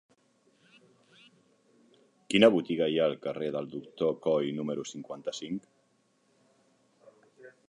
Quina botiga hi ha al carrer del Doctor Coll número cinquanta-cinc?